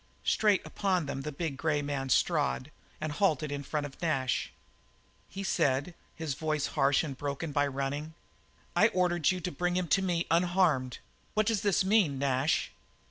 Straight upon them the big grey man strode and halted in front of Nash. He said, his voice harsh and broken by his running: "I ordered you to bring him to me unharmed. What does this mean, Nash?"